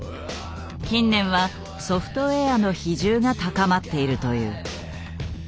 近年はソフトウェアの比重が高まっているという。